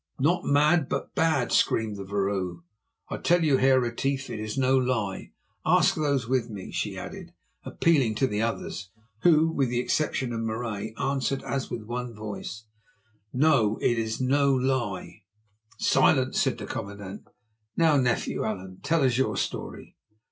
"Not mad, but bad," screamed the vrouw. "I tell you, Heer Retief, it is no lie. Ask those with me," she added, appealing to the others, who, with the exception of Marais, answered as with one voice: "No; it is no lie." "Silence!" said the commandant. "Now, nephew Allan, tell us your story."